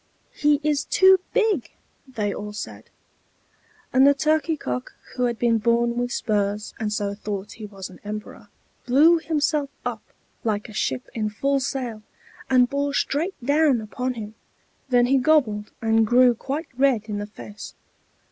"He is too big!" they all said. And the turkey cock, who had been born with spurs, and so thought he was an emperor, blew himself up, like a ship in full sail, and bore straight down upon him; then he gobbled and grew quite red in the face.